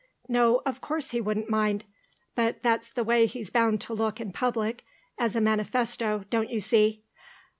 No, of course he wouldn't mind. But that's the way he's bound to look in public, as a manifesto, don't you see.